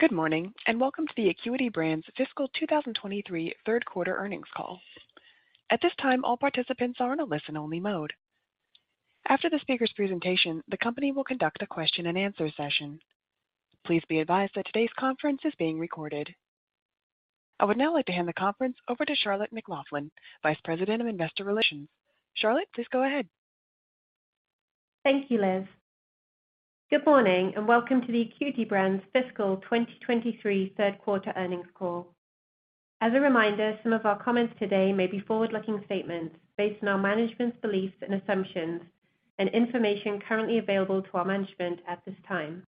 Good morning, and welcome to the Acuity Brands Fiscal 2023 third quarter earnings call. At this time, all participants are on a listen-only mode. After the speaker's presentation, the company will conduct a question-and-answer session. Please be advised that today's conference is being recorded. I would now like to hand the conference over to Charlotte McLaughlin, Vice President of Investor Relations. Charlotte, please go ahead. Thank you, Liz. Good morning, and welcome to the Acuity Brands Fiscal 2023 third quarter earnings call. As a reminder, some of our comments today may be forward-looking statements based on our management's beliefs and assumptions and information currently available to our management at this time.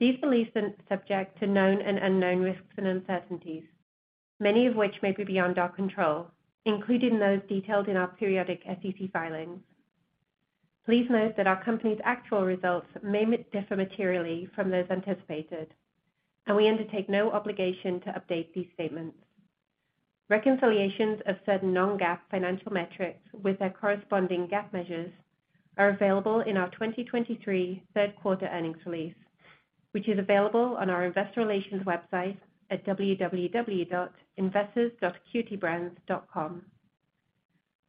These beliefs are subject to known and unknown risks and uncertainties, many of which may be beyond our control, including those detailed in our periodic SEC filings. Please note that our company's actual results may differ materially from those anticipated, and we undertake no obligation to update these statements. Reconciliations of certain non-GAAP financial metrics with their corresponding GAAP measures are available in our 2023 third quarter earnings release, which is available on our investor relations website at www.investors.acuitybrands.com.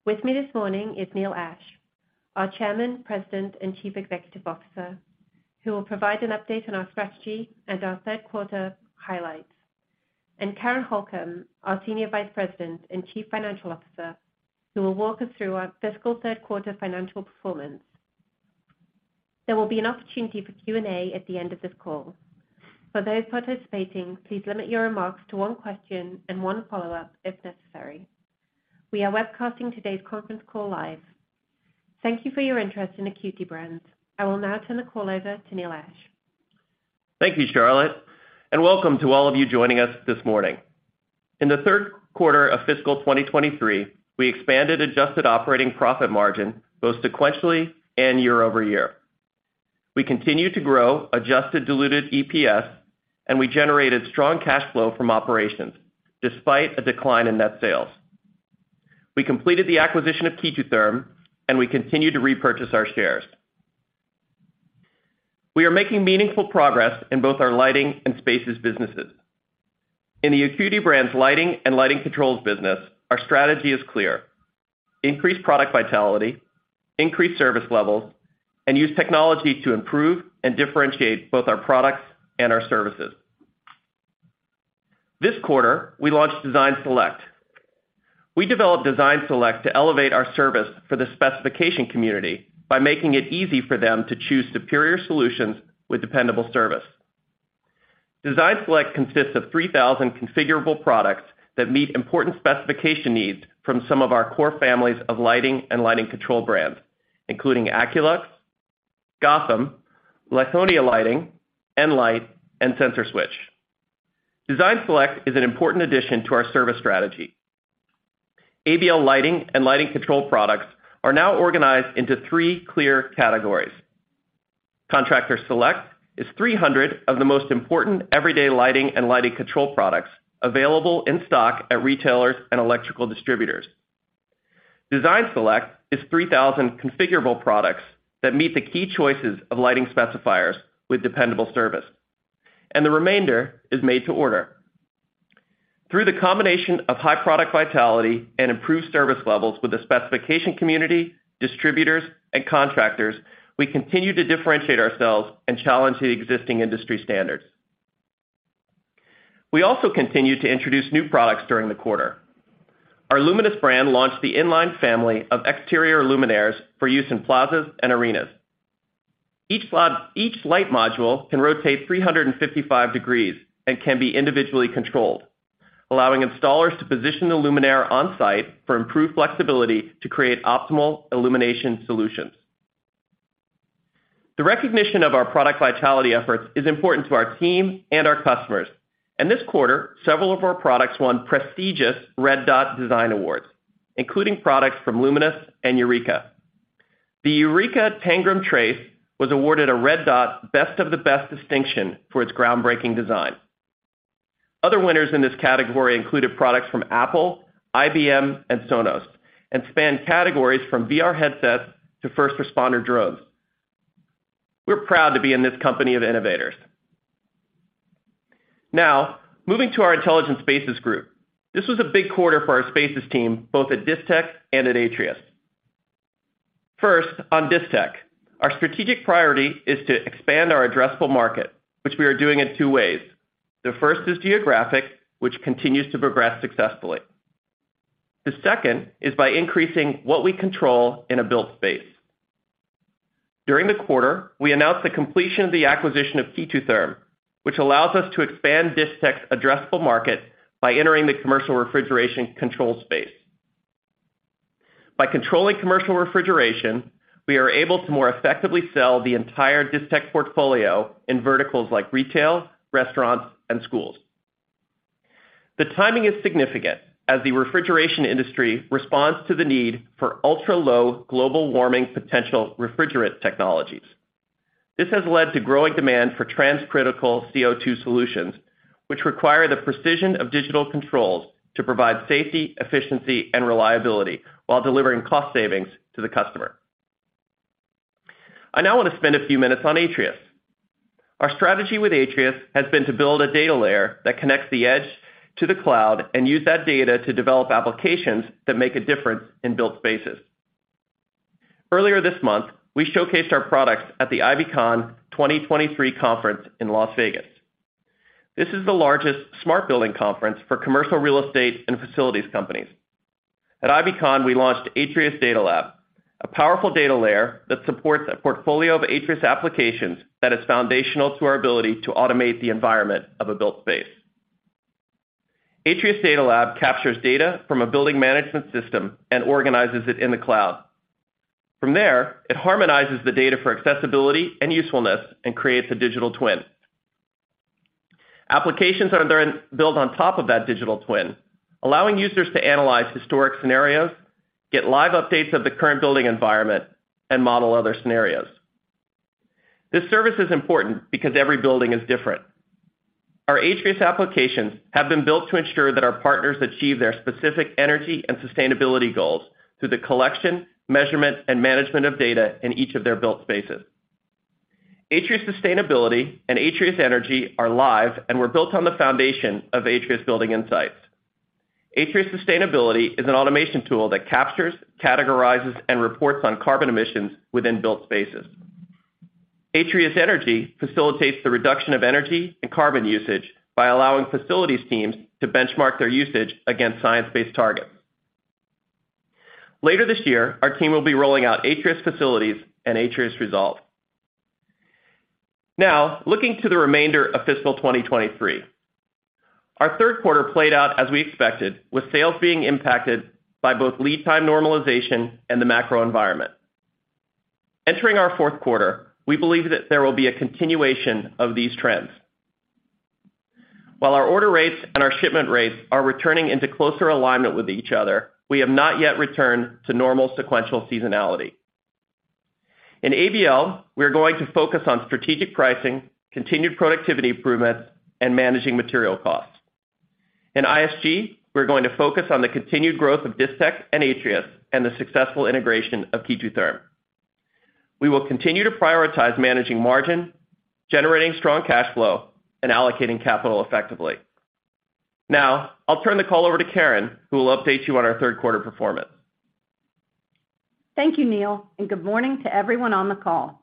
With me this morning is Neil Ashe, our Chairman, President, and Chief Executive Officer, who will provide an update on our strategy and our third quarter highlights, and Karen Holcom, our Senior Vice President and Chief Financial Officer, who will walk us through our fiscal third quarter financial performance. There will be an opportunity for Q&A at the end of this call. For those participating, please limit your remarks to one question and one follow-up if necessary. We are webcasting today's conference call live. Thank you for your interest in Acuity Brands. I will now turn the call over to Neil Ashe. Thank you, Charlotte. Welcome to all of you joining us this morning. In the third quarter of fiscal 2023, we expanded adjusted operating profit margin both sequentially and year-over-year. We continued to grow adjusted diluted EPS, and we generated strong cash flow from operations, despite a decline in net sales. We completed the acquisition of KE2 Therm, and we continued to repurchase our shares. We are making meaningful progress in both our lighting and spaces businesses. In the Acuity Brands Lighting and Lighting Controls business, our strategy is clear: increase product vitality, increase service levels, and use technology to improve and differentiate both our products and our services. This quarter, we launched Design Select. We developed Design Select to elevate our service for the specification community by making it easy for them to choose superior solutions with dependable service. Design Select consists of 3,000 configurable products that meet important specification needs from some of our core families of lighting and lighting control brands, including Aculux, Gotham, Lithonia Lighting, nLight, and SensorSwitch. Design Select is an important addition to our service strategy. ABL Lighting and Lighting Control products are now organized into three clear categories. Contractor Select is 300 of the most important everyday lighting and lighting control products available in stock at retailers and electrical distributors. Design Select is 3,000 configurable products that meet the key choices of lighting specifiers with dependable service, the remainder is made to order. Through the combination of high product vitality and improved service levels with the specification community, distributors, and contractors, we continue to differentiate ourselves and challenge the existing industry standards. We also continued to introduce new products during the quarter. Our Luminis brand launched the Inline Family of Exterior Luminaires for use in plazas and arenas. Each light module can rotate 355 degrees and can be individually controlled, allowing installers to position the luminaire on-site for improved flexibility to create optimal illumination solutions. This quarter, several of our products won prestigious Red Dot Design Awards, including products from Luminis and Eureka. The Eureka Tangram-Trace was awarded a Red Dot: Best of the Best distinction for its groundbreaking design. Other winners in this category included products from Apple, IBM, and Sonos, spanned categories from VR headsets to first responder drones. We're proud to be in this company of innovators. Moving to our Intelligent Spaces group. This was a big quarter for our Spaces team, both at Distech and at Atrius. First, on Distech, our strategic priority is to expand our addressable market, which we are doing in two ways. The first is geographic, which continues to progress successfully. The second is by increasing what we control in a built space. During the quarter, we announced the completion of the acquisition of KE2 Therm, which allows us to expand Distech's addressable market by entering the commercial refrigeration control space. By controlling commercial refrigeration, we are able to more effectively sell the entire Distech portfolio in verticals like retail, restaurants, and schools. The timing is significant as the refrigeration industry responds to the need for ultra-low global warming potential refrigerant technologies. This has led to growing demand for transcritical CO2 solutions, which require the precision of digital controls to provide safety, efficiency, and reliability while delivering cost savings to the customer. I now want to spend a few minutes on Atrius. Our strategy with Atrius has been to build a data layer that connects the edge to the cloud and use that data to develop applications that make a difference in built spaces. Earlier this month, we showcased our products at the IBcon 2023 conference in Las Vegas. This is the largest smart building conference for commercial real estate and facilities companies. At IBcon, we launched Atrius DataLab, a powerful data layer that supports a portfolio of Atrius applications that is foundational to our ability to automate the environment of a built space. Atrius DataLab captures data from a building management system and organizes it in the cloud. From there, it harmonizes the data for accessibility and usefulness and creates a digital twin. Applications are built on top of that digital twin, allowing users to analyze historic scenarios, get live updates of the current building environment, and model other scenarios. This service is important because every building is different. Our Atrius applications have been built to ensure that our partners achieve their specific energy and sustainability goals through the collection, measurement, and management of data in each of their built spaces. Atrius Sustainability and Atrius Energy are live and were built on the foundation of Atrius Building Insights. Atrius Sustainability is an automation tool that captures, categorizes, and reports on carbon emissions within built spaces. Atrius Energy facilitates the reduction of energy and carbon usage by allowing facilities teams to benchmark their usage against science-based targets. Later this year, our team will be rolling out Atrius Facilities and Atrius Resolve. Looking to the remainder of fiscal 2023. Our third quarter played out as we expected, with sales being impacted by both lead time normalization and the macro environment. Entering our fourth quarter, we believe that there will be a continuation of these trends. While our order rates and our shipment rates are returning into closer alignment with each other, we have not yet returned to normal sequential seasonality. In ABL, we are going to focus on strategic pricing, continued productivity improvements, and managing material costs. In ISG, we're going to focus on the continued growth of Distech and Atrius and the successful integration of KE2 Therm. We will continue to prioritize managing margin, generating strong cash flow, and allocating capital effectively. Now, I'll turn the call over to Karen, who will update you on our third quarter performance. Thank you, Neil, and good morning to everyone on the call.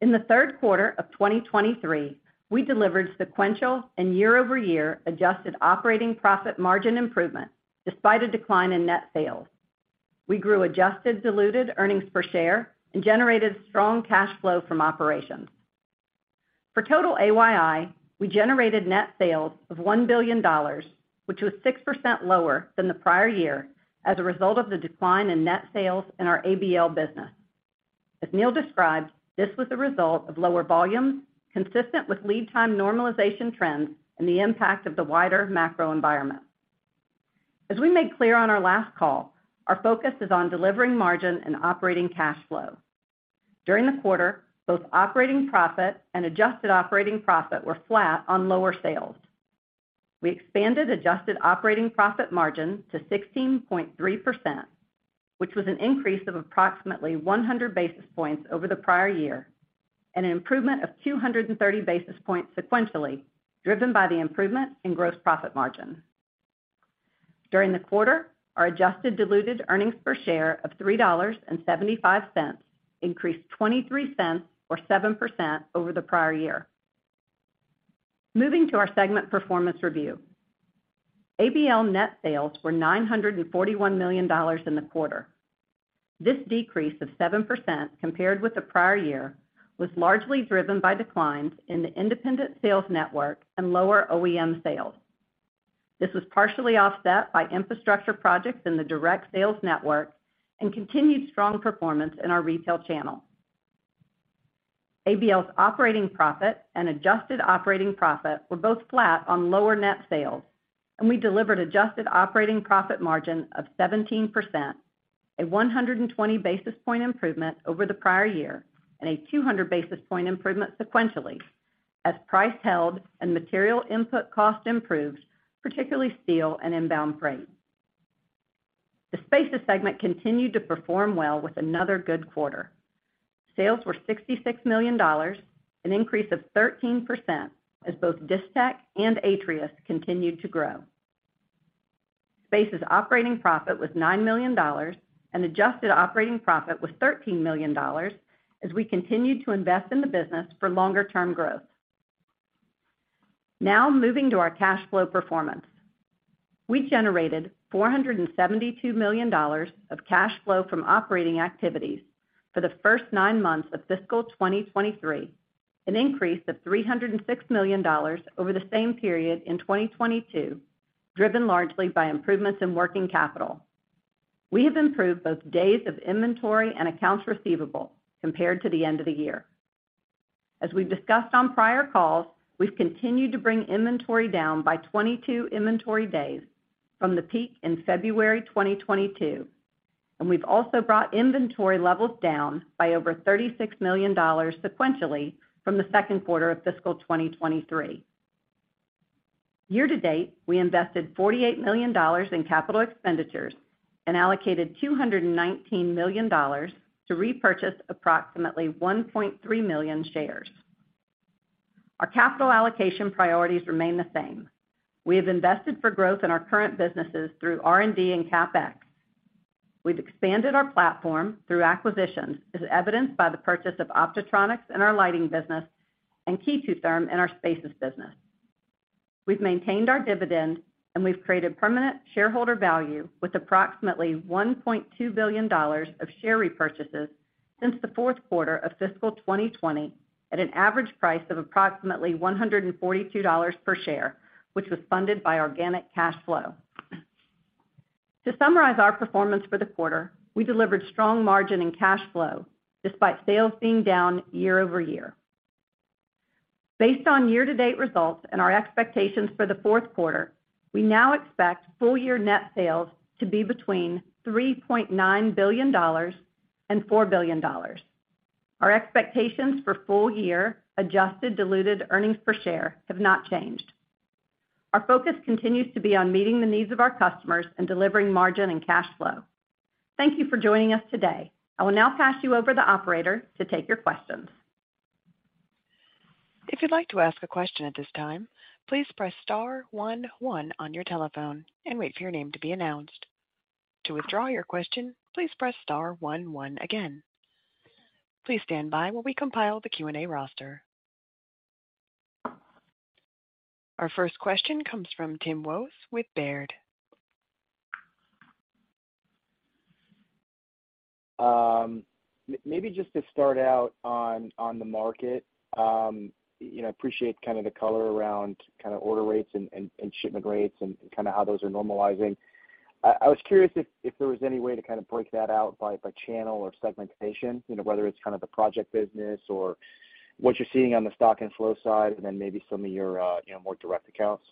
In the third quarter of 2023, we delivered sequential and year-over-year adjusted operating profit margin improvement despite a decline in net sales. We grew adjusted diluted earnings per share and generated strong cash flow from operations. For total AYI, we generated net sales of $1 billion, which was 6% lower than the prior year as a result of the decline in net sales in our ABL business. As Neil described, this was a result of lower volumes, consistent with lead time normalization trends and the impact of the wider macro environment. As we made clear on our last call, our focus is on delivering margin and operating cash flow. During the quarter, both operating profit and adjusted operating profit were flat on lower sales. We expanded adjusted operating profit margin to 16.3%, which was an increase of approximately 100 basis points over the prior year, and an improvement of 230 basis points sequentially, driven by the improvement in gross profit margin. During the quarter, our adjusted diluted earnings per share of $3.75 increased $0.23, or 7% over the prior year. Moving to our segment performance review. ABL net sales were $941 million in the quarter. This decrease of 7% compared with the prior year, was largely driven by declines in the independent sales network and lower OEM sales. This was partially offset by infrastructure projects in the direct sales network and continued strong performance in our retail channel. ABL's operating profit and adjusted operating profit were both flat on lower net sales. We delivered adjusted operating profit margin of 17%, a 120-basis-point improvement over the prior year, and a 200-basis-point improvement sequentially, as price held and material input cost improved, particularly steel and inbound freight. The Spaces segment continued to perform well with another good quarter. Sales were $66 million, an increase of 13%, as both Distech and Atrius continued to grow. Spaces operating profit was $9 million, and adjusted operating profit was $13 million, as we continued to invest in the business for longer term growth. Now, moving to our cash flow performance. We generated $472 million of cash flow from operating activities for the first nine months of fiscal 2023, an increase of $306 million over the same period in 2022, driven largely by improvements in working capital. We have improved both days of inventory and accounts receivable compared to the end of the year. As we've discussed on prior calls, we've continued to bring inventory down by 22 inventory days from the peak in February 2022, and we've also brought inventory levels down by over $36 million sequentially from the second quarter of fiscal 2023. Year-to-date, we invested $48 million in CapEx and allocated $219 million to repurchase approximately 1.3 million shares. Our capital allocation priorities remain the same. We have invested for growth in our current businesses through R&D and CapEx. We've expanded our platform through acquisitions, as evidenced by the purchase of OPTOTRONIC in our lighting business and KE2 Therm in our spaces business. We've maintained our dividend, and we've created permanent shareholder value with approximately $1.2 billion of share repurchases since the fourth quarter of fiscal 2020, at an average price of approximately $142 per share, which was funded by organic cash flow. To summarize our performance for the quarter, we delivered strong margin and cash flow despite sales being down year-over-year. Based on year-to-date results and our expectations for the fourth quarter, we now expect full year net sales to be between $3.9 billion and $4 billion. Our expectations for full year adjusted diluted earnings per share have not changed. Our focus continues to be on meeting the needs of our customers and delivering margin and cash flow. Thank you for joining us today. I will now pass you over to the operator to take your questions. If you'd like to ask a question at this time, please press star one one on your telephone and wait for your name to be announced. To withdraw your question, please press star one one again. Please stand by while we compile the Q&A roster. Our first question comes from Tim Wojs with Baird. Maybe just to start out on the market, you know, appreciate kind of the color around kind of order rates and shipment rates and kind of how those are normalizing. I was curious if there was any way to kind of break that out by channel or segmentation, you know, whether it's kind of the project business or what you're seeing on the stock and flow side, and then maybe some of your, you know, more direct accounts.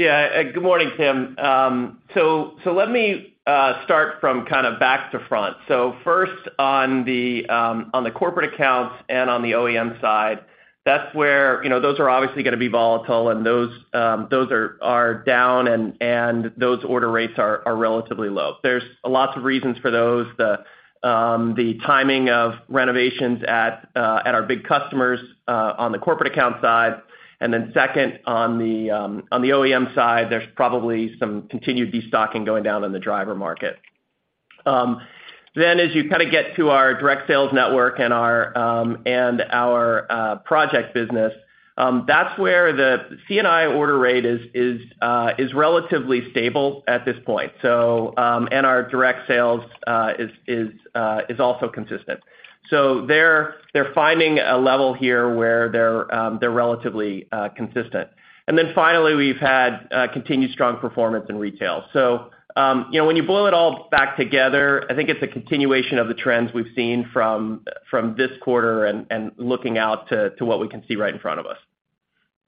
Good morning, Tim. Let me start from kind of back to front. First, on the corporate accounts and on the OEM side, you know, those are obviously gonna be volatile, and those are down, and those order rates are relatively low. There's lots of reasons for those. The timing of renovations at our big customers on the corporate account side. Second, on the OEM side, there's probably some continued destocking going down in the driver market. As you kind of get to our direct sales network and our project business, that's where the C&I order rate is relatively stable at this point and our direct sales is also consistent. They're finding a level here where they're relatively consistent. Then finally, we've had continued strong performance in retail. You know, when you blow it all back together, I think it's a continuation of the trends we've seen from this quarter and looking out to what we can see right in front of us.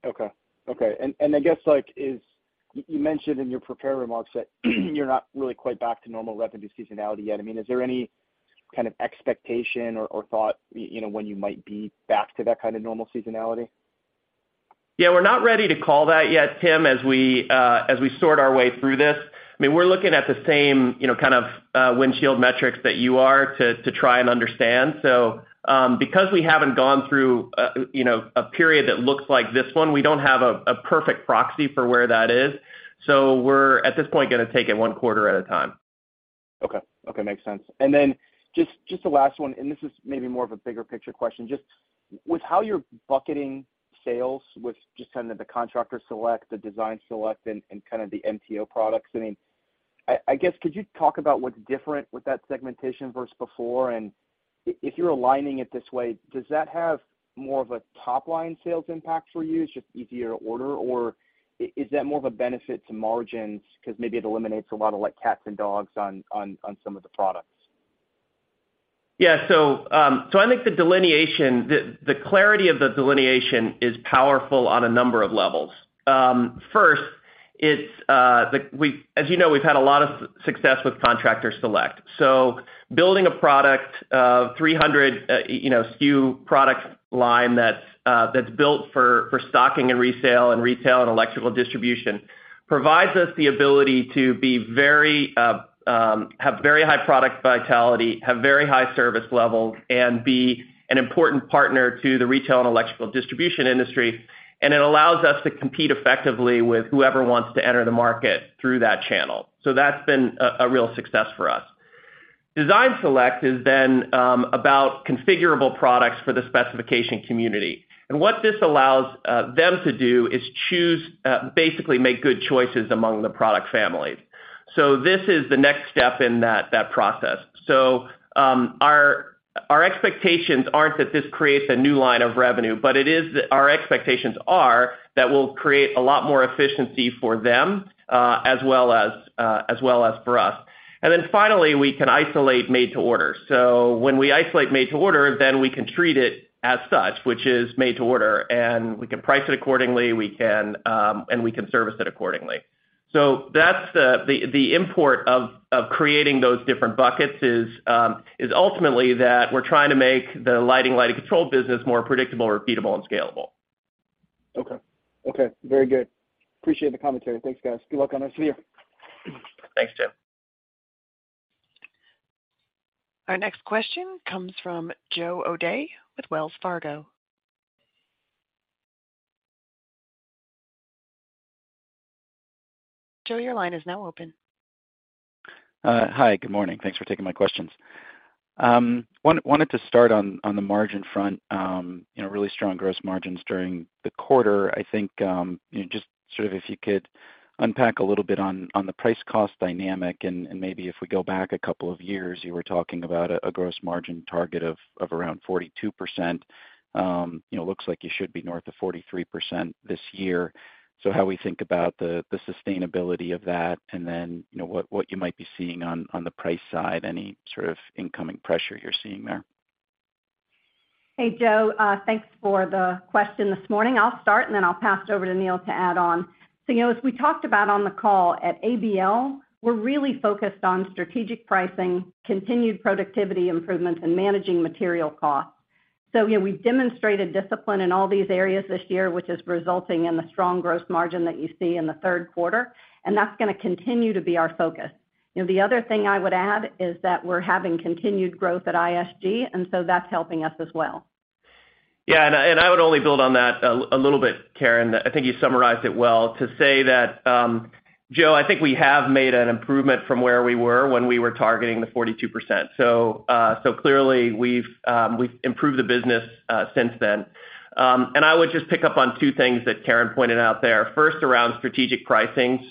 Okay. I guess, like, you mentioned in your prepared remarks that you're not really quite back to normal revenue seasonality yet. Is there any kind of expectation or thought, you know, when you might be back to that kind of normal seasonality? Yeah, we're not ready to call that yet, Tim, as we sort our way through this. I mean, we're looking at the same, you know, kind of, windshield metrics that you are to try and understand. Because we haven't gone through, you know, a period that looks like this one, we don't have a perfect proxy for where that is, so we're, at this point, gonna take it one quarter at a time. Okay, makes sense. Then just the last one, and this is maybe more of a bigger picture question. Just with how you're bucketing sales, with just kind of the Contractor Select, the Design Select, and kind of the MTO products, I mean, I guess, could you talk about what's different with that segmentation versus before? If you're aligning it this way, does that have more of a top-line sales impact for you, it's just easier to order, or is that more of a benefit to margins because maybe it eliminates a lot of, like, cats and dogs on some of the products? Yeah. I think the delineation, the clarity of the delineation is powerful on a number of levels. First, as you know, we've had a lot of success with Contractor Select. Building a product, of 300, you know, SKU product line that's built for stocking and resale and retail and electrical distribution, provides us the ability to be very, have very high product vitality, have very high service levels, and be an important partner to the retail and electrical distribution industry. And it allows us to compete effectively with whoever wants to enter the market through that channel. That's been a real success for us. Design Select is then about configurable products for the specification community. What this allows them to do is choose, basically make good choices among the product families. This is the next step in that process. Our expectations aren't that this creates a new line of revenue, but our expectations are that we'll create a lot more efficiency for them, as well as for us. Finally, we can isolate made to order. When we isolate made to order, then we can treat it as such, which is made to order, and we can price it accordingly, we can, and we can service it accordingly. That's the import of creating those different buckets is ultimately that we're trying to make the Lighting Control business more predictable, repeatable, and scalable. Okay. Okay, very good. Appreciate the commentary. Thanks, guys. Good luck on next year. Thanks, Tim. Our next question comes from Joe O'Dea with Wells Fargo. Joe, your line is now open. Hi, good morning. Thanks for taking my questions. wanted to start on the margin front. you know, really strong gross margins during the quarter. I think, just sort of if you could unpack a little bit on the price cost dynamic, and maybe if we go back a couple of years, you were talking about a gross margin target of around 42%. you know, looks like you should be north of 43% this year. How we think about the sustainability of that, and then, you know, what you might be seeing on the price side, any sort of incoming pressure you're seeing there? Hey, Joe, thanks for the question this morning. I'll start, and then I'll pass it over to Neil to add on. You know, as we talked about on the call, at ABL, we're really focused on strategic pricing, continued productivity improvements, and managing material costs. You know, we've demonstrated discipline in all these areas this year, which is resulting in the strong gross margin that you see in the third quarter, and that's gonna continue to be our focus. You know, the other thing I would add is that we're having continued growth at ISG, that's helping us as well. Yeah, I would only build on that a little bit, Karen. I think you summarized it well to say that, Joe, I think we have made an improvement from where we were when we were targeting the 42%. Clearly, we've improved the business since then. I would just pick up on two things that Karen pointed out there. First, around strategic pricing.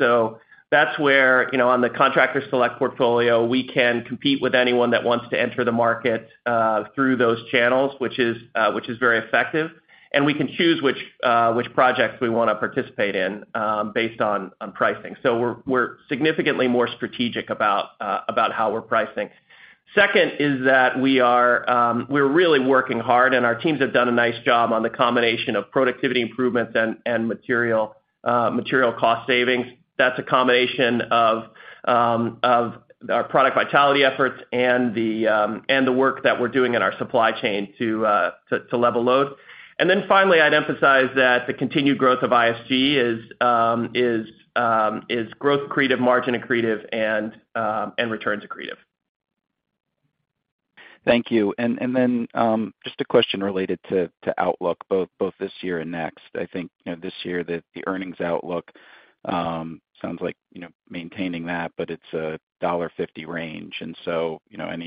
That's where, you know, on the Contractor Select portfolio, we can compete with anyone that wants to enter the market through those channels, which is very effective. We can choose which projects we wanna participate in, based on pricing. We're significantly more strategic about how we're pricing. Second is that we're really working hard, and our teams have done a nice job on the combination of productivity improvements and material cost savings. That's a combination of our product vitality efforts and the work that we're doing in our supply chain to level load. Finally, I'd emphasize that the continued growth of ISG is growth accretive, margin accretive, and return accretive. Thank you. Then, just a question related to outlook, both this year and next. I think, you know, this year, that the earnings outlook sounds like, you know, maintaining that, but it's a $1.50 range. You know,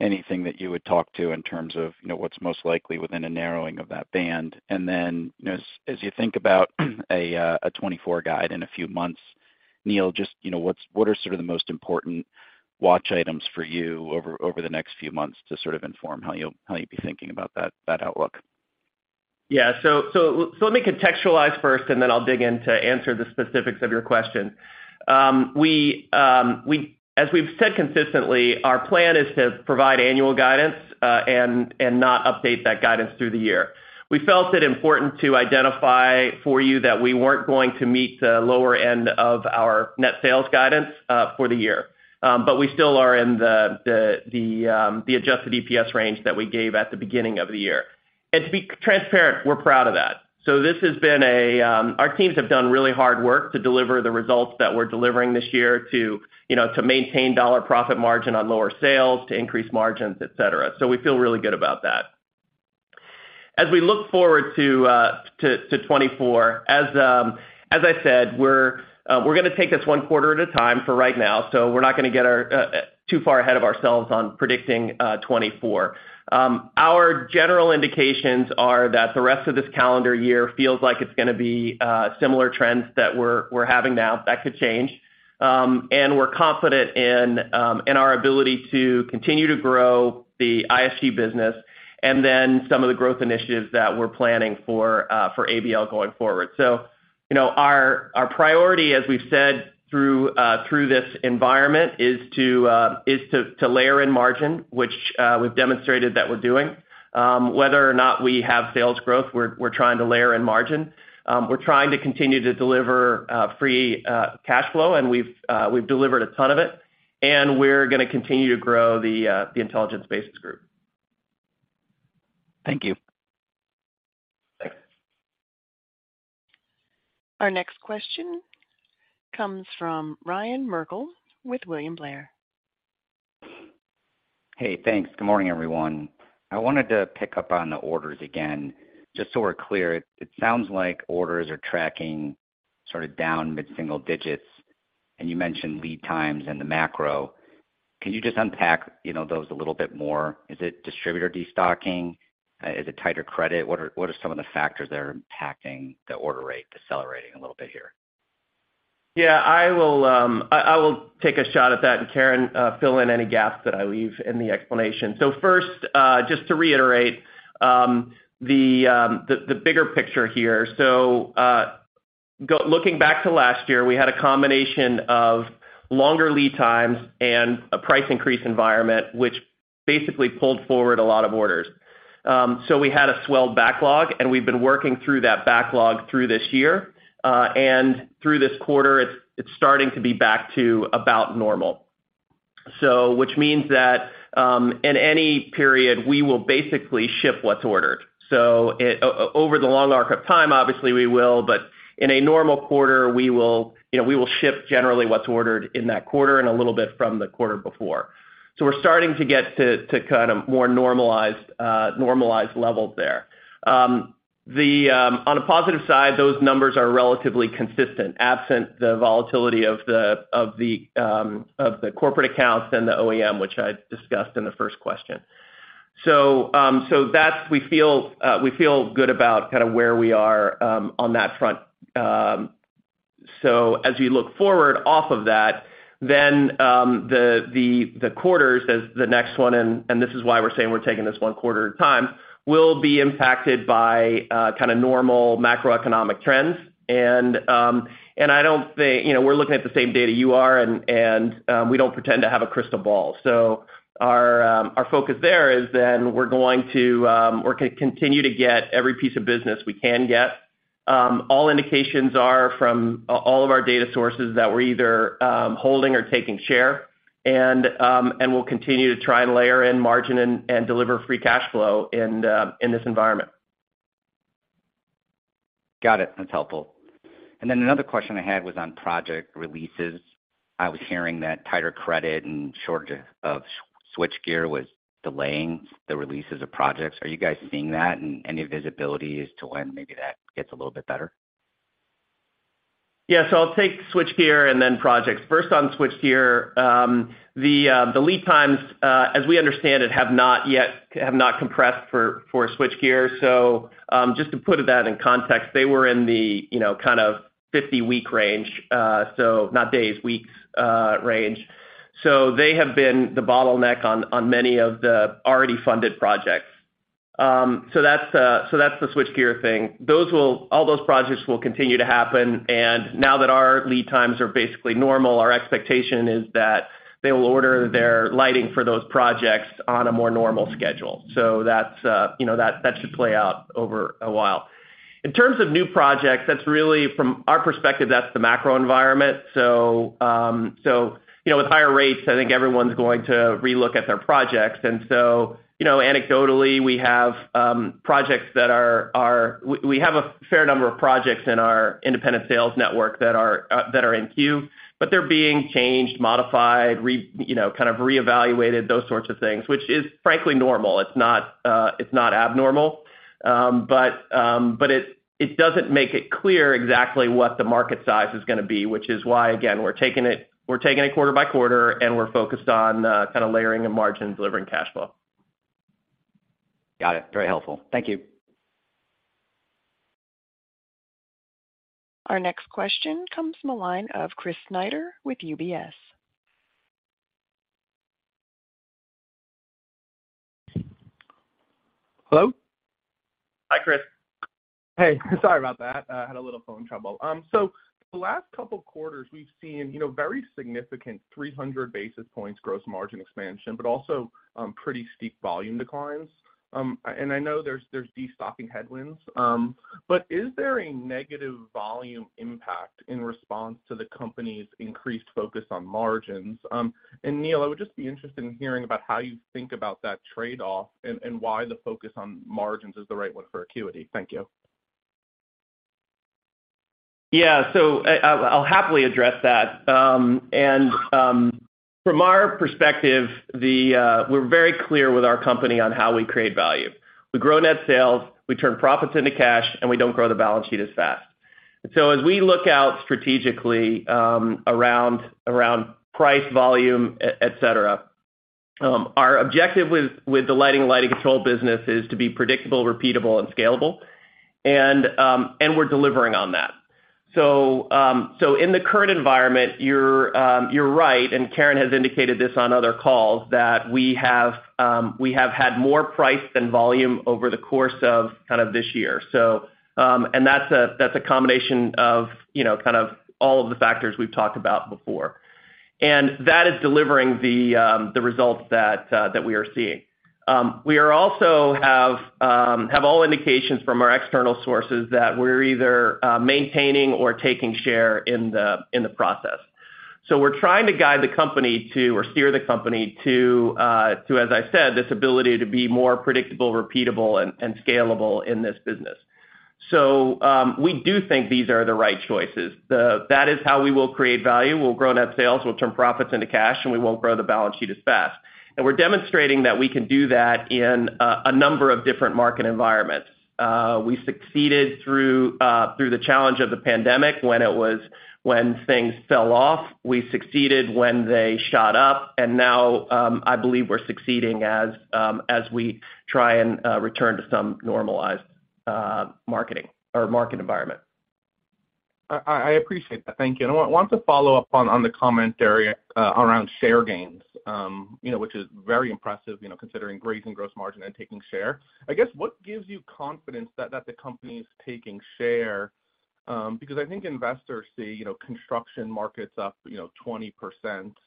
anything that you would talk to in terms of, you know, what's most likely within a narrowing of that band? Then, you know, as you think about a 2024 guide in a few months, Neil, just, you know, what are sort of the most important watch items for you over the next few months to sort of inform how you'll be thinking about that outlook? Yeah. Let me contextualize first, and then I'll dig in to answer the specifics of your question. We, as we've said consistently, our plan is to provide annual guidance and not update that guidance through the year. We felt it important to identify for you that we weren't going to meet the lower end of our net sales guidance for the year. We still are in the adjusted EPS range that we gave at the beginning of the year. To be transparent, we're proud of that. Our teams have done really hard work to deliver the results that we're delivering this year to, you know, to maintain dollar profit margin on lower sales, to increase margins, et cetera. We feel really good about that. As we look forward to 2024, as I said, we're gonna take this one quarter at a time for right now, we're not gonna get our too far ahead of ourselves on predicting 2024. Our general indications are that the rest of this calendar year feels like it's gonna be similar trends that we're having now. That could change. We're confident in our ability to continue to grow the ISG business some of the growth initiatives that we're planning for ABL going forward. You know, our priority, as we've said, through this environment, is to layer in margin, which we've demonstrated that we're doing. Whether or not we have sales growth, we're trying to layer in margin. We're trying to continue to deliver free cash flow, and we've delivered a ton of it, and we're going to continue to grow the Intelligent Spaces Group. Thank you. Thanks. Our next question comes from Ryan Merkel with William Blair. Hey, thanks. Good morning, everyone. I wanted to pick up on the orders again, just so we’re clear. It sounds like orders are tracking sort of down mid-single digits. You mentioned lead times and the macro. Can you just unpack, you know, those a little bit more? Is it distributor destocking? Is it tighter credit? What are some of the factors that are impacting the order rate decelerating a little bit here? Yeah, I will take a shot at that, and Karen, fill in any gaps that I leave in the explanation. First, just to reiterate the bigger picture here. Looking back to last year, we had a combination of longer lead times and a price increase environment, basically pulled forward a lot of orders. We had a swell backlog, and we've been working through that backlog through this year. Through this quarter, it's starting to be back to about normal. Which means that, in any period, we will basically ship what's ordered. Over the long arc of time, obviously, we will, but in a normal quarter, we will, you know, ship generally what's ordered in that quarter and a little bit from the quarter before. We're starting to get to kind of more normalized levels there. On a positive side, those numbers are relatively consistent, absent the volatility of the corporate accounts and the OEM, which I discussed in the first question. That's we feel good about kind of where we are on that front. As we look forward off of that, then, the quarters as the next one, and this is why we're saying we're taking this one quarter at a time, will be impacted by, kind of normal macroeconomic trends. I don't think. You know, we're looking at the same data you are, and we don't pretend to have a crystal ball. Our focus there is then we're going to we're gonna continue to get every piece of business we can get. All indications are from all of our data sources that we're either holding or taking share, and we'll continue to try and layer in margin and deliver free cash flow in this environment. Got it. That's helpful. Another question I had was on project releases. I was hearing that tighter credit and shortage of switchgear was delaying the releases of projects. Are you guys seeing that? Any visibility as to when maybe that gets a little bit better? I'll take switchgear and then projects. First, on switchgear, the lead times, as we understand it, have not compressed for switchgear. Just to put that in context, they were in the, you know, kind of 50-week range, so not days, weeks, range. They have been the bottleneck on many of the already funded projects. That's the switchgear thing. All those projects will continue to happen, and now that our lead times are basically normal, our expectation is that they will order their lighting for those projects on a more normal schedule. You know, that should play out over a while. In terms of new projects, that's really, from our perspective, the macro environment. You know, with higher rates, I think everyone's going to relook at their projects. You know, anecdotally, we have a fair number of projects in our independent sales network that are in queue, but they're being changed, modified, you know, kind of reevaluated, those sorts of things, which is frankly normal. It's not abnormal. It doesn't make it clear exactly what the market size is gonna be, which is why, again, we're taking it quarter by quarter, and we're focused on kind of layering the margin, delivering cash flow. Got it. Very helpful. Thank you. Our next question comes from the line of Chris Snyder with UBS. Hello? Hi, Chris. Hey, sorry about that. I had a little phone trouble. The last couple of quarters, we've seen, you know, very significant 300 basis points gross margin expansion, but also, pretty steep volume declines. I know there's destocking headwinds, is there a negative volume impact in response to the company's increased focus on margins? Neil, I would just be interested in hearing about how you think about that trade-off and why the focus on margins is the right one for Acuity. Thank you. Yeah. I'll happily address that. From our perspective, we're very clear with our company on how we create value. We grow net sales, we turn profits into cash, and we don't grow the balance sheet as fast. As we look out strategically, around price, volume, et cetera, our objective with the lighting and lighting control business is to be predictable, repeatable, and scalable, and we're delivering on that. In the current environment, you're right, and Karen has indicated this on other calls, that we have had more price than volume over the course of kind of this year. That's a combination of, you know, kind of all of the factors we've talked about before. That is delivering the results that we are seeing. We are also have all indications from our external sources that we're either maintaining or taking share in the process. We're trying to guide the company to, or steer the company to, as I said, this ability to be more predictable, repeatable, and scalable in this business. We do think these are the right choices. That is how we will create value. We'll grow net sales, we'll turn profits into cash, and we won't grow the balance sheet as fast. We're demonstrating that we can do that in a number of different market environments. We succeeded through the challenge of the pandemic when things fell off. We succeeded when they shot up, and now, I believe we're succeeding as we try and return to some normalized marketing or market environment. I appreciate that. Thank you. I want to follow up on the commentary around share gains, you know, which is very impressive, you know, considering raising gross margin and taking share. I guess, what gives you confidence that the company is taking share? Because I think investors see, you know, construction markets up, you know, 20%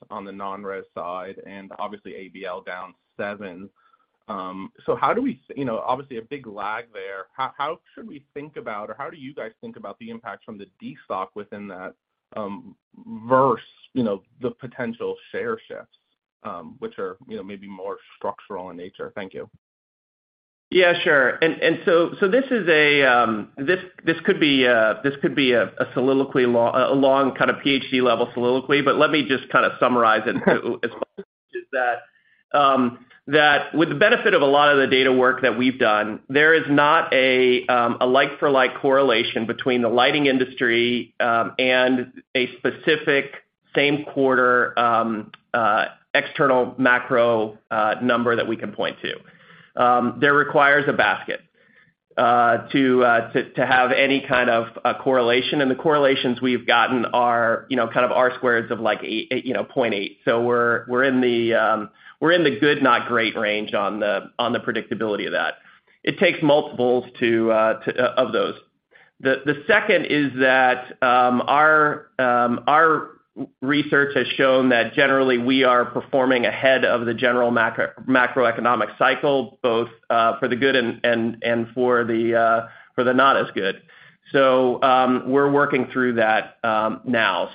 on the non-res side, and obviously ABL down 7%. How do we, you know, obviously a big lag there. How should we think about, or how do you guys think about the impact from the destock within that, verse, you know, the potential share shifts, which are, you know, maybe more structural in nature? Thank you. Yeah, sure. This could be a soliloquy, a long kind of PhD level soliloquy, but let me just kind of summarize it as much as that. That with the benefit of a lot of the data work that we've done, there is not a like-for-like correlation between the lighting industry and a specific same quarter external macro number that we can point to. There requires a basket to have any kind of a correlation, and the correlations we've gotten are, you know, kind of R-squareds of like 0.8. We're in the good, not great range on the predictability of that. It takes multiples of those. The second is that our research has shown that generally we are performing ahead of the general macroeconomic cycle, both for the good and for the not as good. We're working through that now.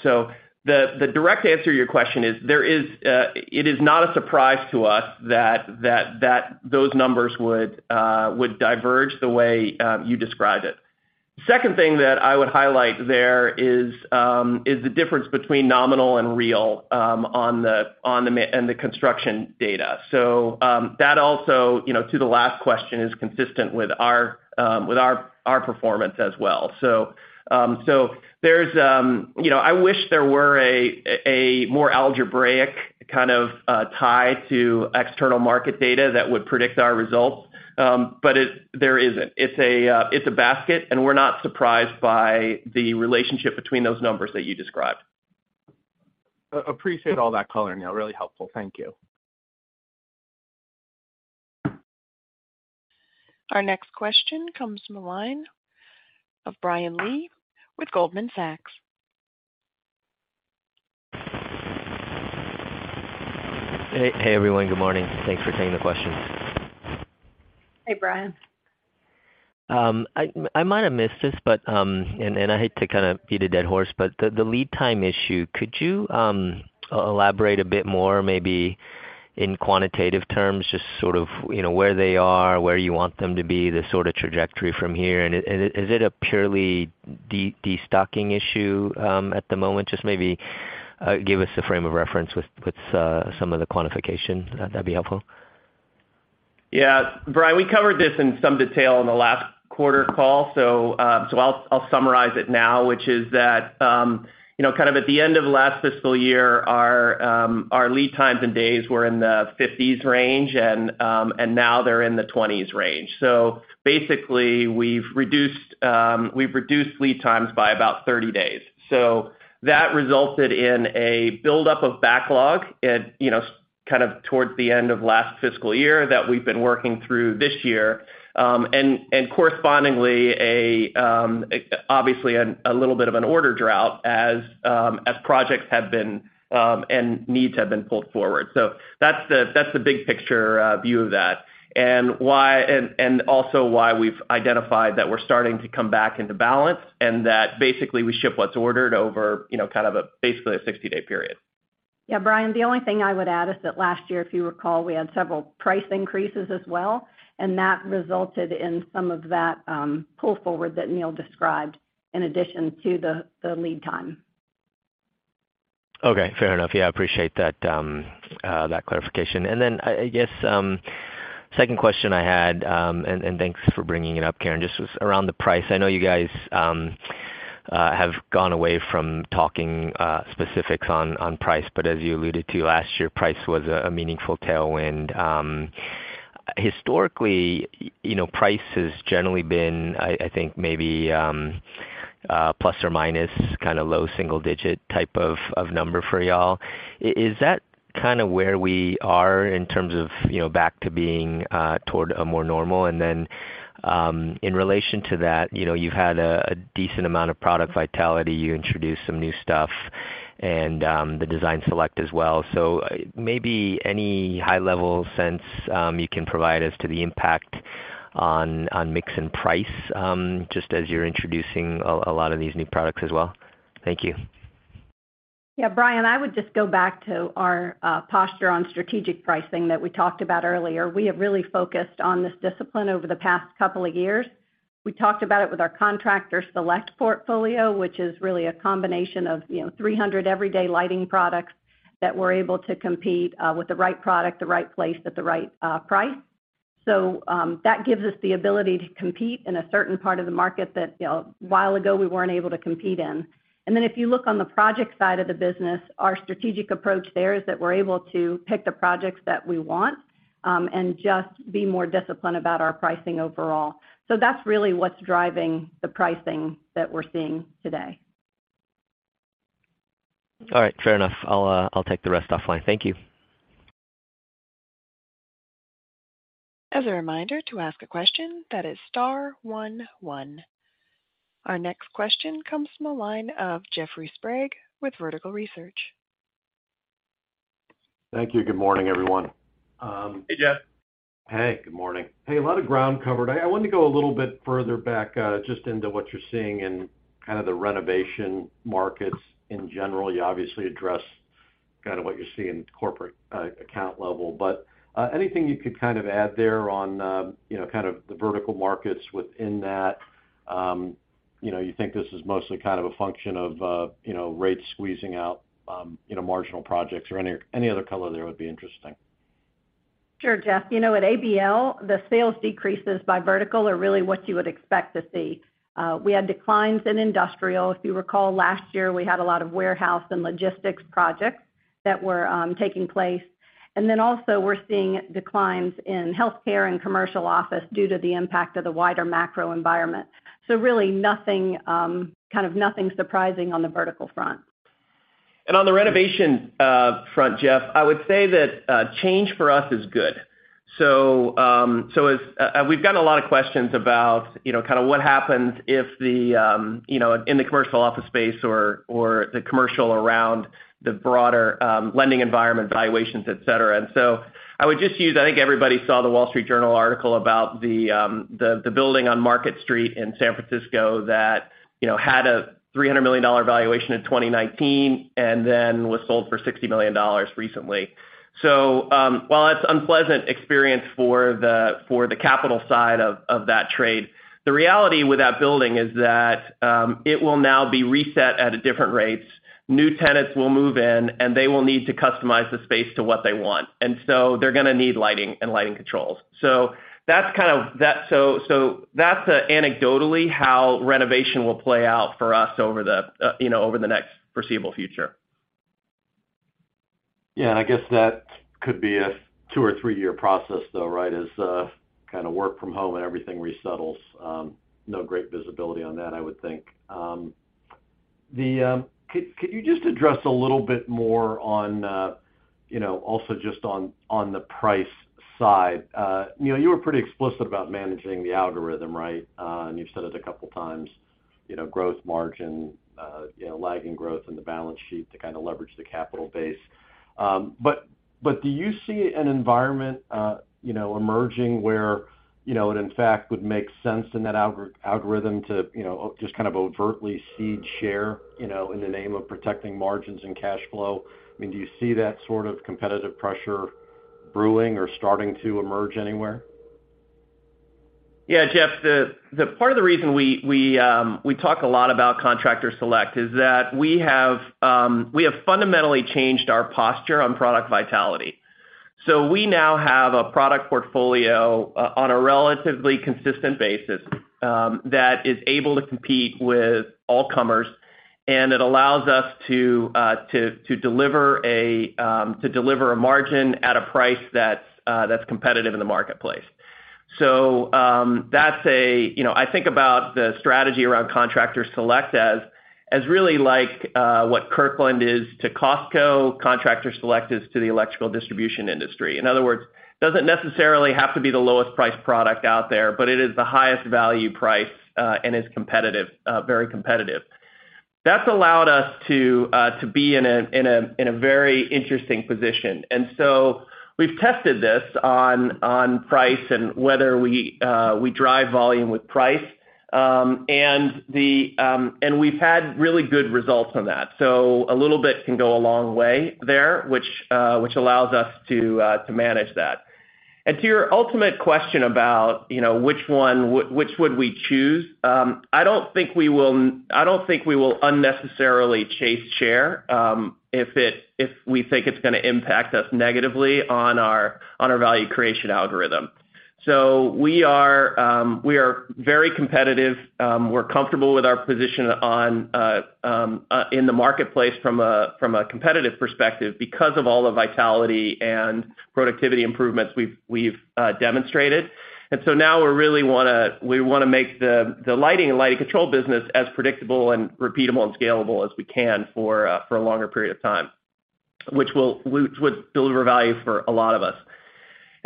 The direct answer to your question is, it is not a surprise to us that those numbers would diverge the way you described it. Second thing that I would highlight there is the difference between nominal and real on the and the construction data. That also, you know, to the last question, is consistent with our performance as well. You know, I wish there were a more algebraic, kind of, tie to external market data that would predict our results, but there isn't. It's a basket, and we're not surprised by the relationship between those numbers that you described. Appreciate all that color, Neil. Really helpful. Thank you. Our next question comes from the line of Brian Lee with Goldman Sachs. Hey, everyone. Good morning. Thanks for taking the questions. Hey, Brian. I might have missed this, I hate to kind of beat a dead horse, but the lead time issue, could you elaborate a bit more, maybe in quantitative terms, just sort of, you know, where they are, where you want them to be, the sort of trajectory from here? Is it a purely destocking issue at the moment? Just maybe give us a frame of reference with some of the quantification. That'd be helpful. Brian, we covered this in some detail in the last quarter call, so I'll summarize it now, which is that, you know, kind of at the end of last fiscal year, our lead times and days were in the 50s range, and now they're in the 20s range. Basically, we've reduced lead times by about 30 days. That resulted in a buildup of backlog at, you know, kind of towards the end of last fiscal year that we've been working through this year. Correspondingly, obviously, a little bit of an order drought as projects have been and needs have been pulled forward. That's the big picture, view of that and also why we've identified that we're starting to come back into balance, and that basically, we ship what's ordered over, you know, kind of, basically a 60-day period. Brian, the only thing I would add is that last year, if you recall, we had several price increases as well, and that resulted in some of that pull forward that Neil described, in addition to the lead time. Okay, fair enough. Yeah, I appreciate that clarification. I guess, second question I had, thanks for bringing it up, Karen, just was around the price. I know you guys have gone away from talking specifics on price, but as you alluded to, last year, price was a meaningful tailwind. Historically, you know, price has generally been, I think, maybe plus or minus, kind of low single-digit type of number for y'all. Is that kind of where we are in terms of, you know, back to being toward a more normal? In relation to that, you know, you've had a decent amount of product vitality. You introduced some new stuff and the Design Select as well. Maybe any high-level sense you can provide as to the impact on mix and price, just as you're introducing a lot of these new products as well? Thank you. Brian, I would just go back to our posture on strategic pricing that we talked about earlier. We have really focused on this discipline over the past couple of years. We talked about it with our Contractor Select portfolio, which is really a combination of, you know, 300 everyday lighting products that we're able to compete with the right product, the right place, at the right price. That gives us the ability to compete in a certain part of the market that, you know, a while ago we weren't able to compete in. If you look on the project side of the business, our strategic approach there is that we're able to pick the projects that we want and just be more disciplined about our pricing overall. That's really what's driving the pricing that we're seeing today. All right, fair enough. I'll take the rest offline. Thank you. As a reminder, to ask a question, that is star one one. Our next question comes from the line of Jeffrey Sprague with Vertical Research. Thank you. Good morning, everyone. Hey, Jeff. Hey, good morning. Hey, a lot of ground covered. I wanted to go a little bit further back, just into what you're seeing in kind of the renovation markets in general. You obviously address kind of what you see in corporate, account level, anything you could kind of add there on, you know, kind of the vertical markets within that? You know, you think this is mostly kind of a function of, you know, rates squeezing out, you know, marginal projects or any other color there would be interesting. Sure, Jeff. You know, at ABL, the sales decreases by vertical are really what you would expect to see. We had declines in industrial. If you recall, last year, we had a lot of warehouse and logistics projects that were taking place. Also we're seeing declines in healthcare and commercial office due to the impact of the wider macro environment. Really nothing, kind of nothing surprising on the vertical front. On the renovation front, Jeff, I would say that change for us is good. We've gotten a lot of questions about, you know, kind of what happens if the, you know, in the commercial office space or the commercial around the broader lending environment, valuations, et cetera. I think everybody saw the Wall Street Journal article about the the the building on Market Street in San Francisco that, you know, had a $300 million valuation in 2019, and then was sold for $60 million recently. While that's unpleasant experience for the, for the capital side of that trade, the reality with that building is that it will now be reset at a different rates. New tenants will move in, they will need to customize the space to what they want, and so they're gonna need lighting and lighting controls. That's anecdotally how renovation will play out for us, you know, over the next foreseeable future. Yeah, I guess that could be a two or three-year process, though, right? As, kind of work from home and everything resettles. No great visibility on that, I would think. Could you just address a little bit more on, you know, also just on the price side? You know, you were pretty explicit about managing the algorithm, right? You've said it a couple of times, you know, growth margin, you know, lagging growth in the balance sheet to kind of leverage the capital base. Do you see an environment, you know, emerging where, you know, it, in fact, would make sense in that algorithm to, you know, just kind of overtly cede share, you know, in the name of protecting margins and cash flow? I mean, do you see that sort of competitive pressure brewing or starting to emerge anywhere? Yeah, Jeff, the part of the reason we talk a lot about Contractor Select is that we have fundamentally changed our posture on product vitality. We now have a product portfolio on a relatively consistent basis that is able to compete with all comers, and it allows us to deliver a margin at a price that's competitive in the marketplace. You know, I think about the strategy around Contractor Select as really like what Kirkland is to Costco, Contractor Select is to the electrical distribution industry. In other words, doesn't necessarily have to be the lowest priced product out there, but it is the highest value price, and is competitive, very competitive. That's allowed us to be in a very interesting position. We've tested this on price and whether we drive volume with price, and we've had really good results on that. A little bit can go a long way there, which allows us to manage that. To your ultimate question about, you know, which one, which would we choose? I don't think we will unnecessarily chase share if we think it's gonna impact us negatively on our value creation algorithm. We are very competitive. We're comfortable with our position in the marketplace from a competitive perspective because of all the vitality and productivity improvements we've demonstrated. Now we wanna make the lighting and lighting control business as predictable and repeatable and scalable as we can for a longer period of time, which will deliver value for a lot of us.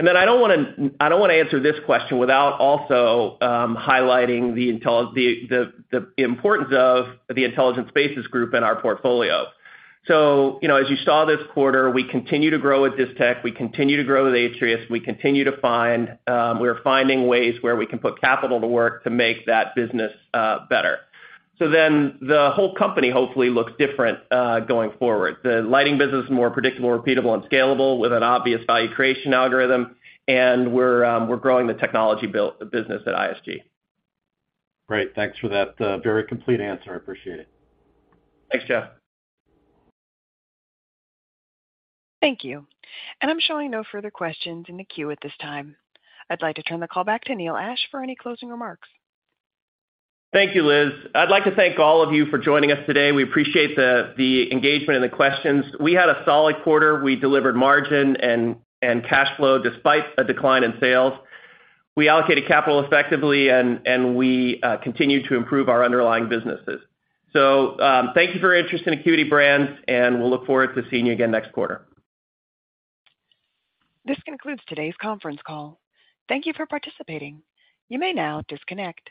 I don't wanna answer this question without also highlighting the importance of the Intelligent Spaces Group in our portfolio. You know, as you saw this quarter, we continue to grow with Distech, we continue to grow with Atrius, we continue to find, we are finding ways where we can put capital to work to make that business better. The whole company hopefully looks different, going forward. The lighting business is more predictable, repeatable, and scalable with an obvious value creation algorithm. We're growing the technology built business at ISG. Great. Thanks for that, very complete answer. I appreciate it. Thanks, Jeff. Thank you. I'm showing no further questions in the queue at this time. I'd like to turn the call back to Neil Ashe for any closing remarks. Thank you, Liz. I'd like to thank all of you for joining us today. We appreciate the engagement and the questions. We had a solid quarter. We delivered margin and cash flow despite a decline in sales. We allocated capital effectively, and we continued to improve our underlying businesses. Thank you for your interest in Acuity Brands, and we'll look forward to seeing you again next quarter. This concludes today's conference call. Thank you for participating. You may now disconnect.